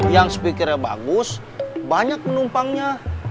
yang speakernya bagus banyak penumpangnya